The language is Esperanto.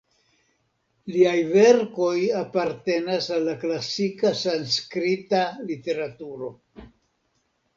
Liaj verkoj apartenas al la klasika sanskrita literaturo.